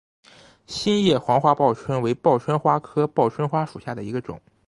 心叶黄花报春为报春花科报春花属下的一个种。